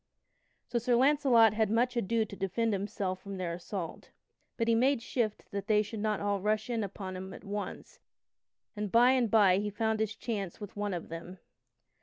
So Sir Launcelot had much ado to defend himself from their assault. But he made shift that they should not all rush in upon him at once, and by and by he found his chance with one of them.